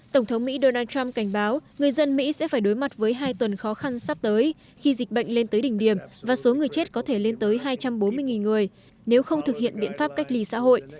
tổng thống mỹ donald trump cảnh báo người dân mỹ sẽ phải đối mặt với hai tuần khó khăn sắp tới khi dịch bệnh lên tới đỉnh điểm và số người chết có thể lên tới hai trăm bốn mươi người nếu không thực hiện biện pháp cách ly xã hội